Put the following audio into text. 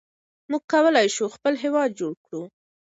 موږ کولای شو خپل هېواد جوړ کړو.